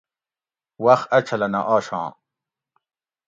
وخ اچھلہ نہ آشاں